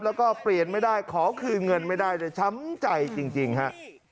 แล้วก็เปลี่ยนไม่ได้ขอคืนเงินไม่ได้เลยช้ำใจจริงฮะ